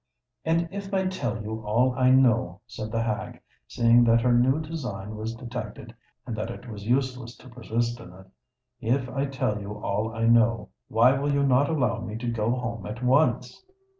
"And if I tell you all I know," said the hag, seeing that her new design was detected and that it was useless to persist in it,—"if I tell you all I know, why will you not allow me to go home at once?"